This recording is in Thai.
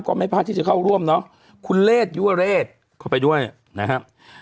ก็ไม่พลาดที่จะเข้าร่วมเนอะคุณเลศยุวเรศเข้าไปด้วยนะครับ